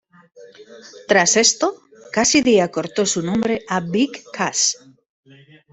Tras esto, Cassady acortó su nombre a Big Cass.